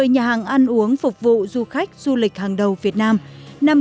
một mươi nhà hàng ăn uống phục vụ du khách du lịch hàng đầu việt nam